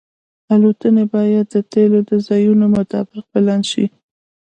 الوتنې باید د تیلو د ځایونو مطابق پلان شي